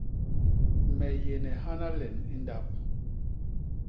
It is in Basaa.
Me yéne hana len i ndap.